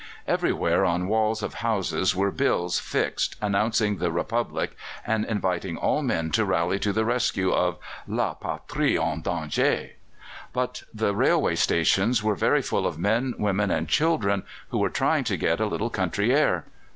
Everywhere on walls of houses were bills fixed announcing the Republic, and inviting all men to rally to the rescue of "La patrie en danger." But the railway stations were very full of men, women, and children, who were trying to get a little country air.